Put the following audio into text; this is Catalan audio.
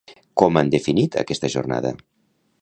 Com han definit aquesta jornada?